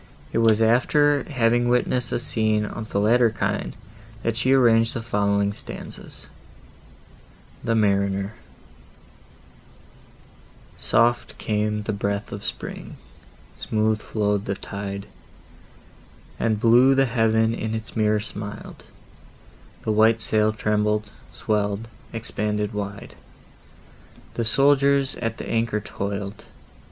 It was after having witnessed a scene of the latter kind, that she arranged the following stanzas: THE MARINER Soft came the breath of spring; smooth flow'd the tide; And blue the heaven in its mirror smil'd; The white sail trembled, swell'd, expanded wide, The busy sailors at the anchor toil'd.